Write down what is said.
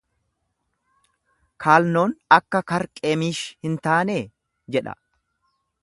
Kaalnoon akka Karqemiish hin taanee? jedha.